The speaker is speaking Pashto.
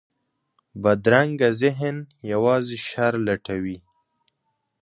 بدرنګه ذهن یوازې شر لټوي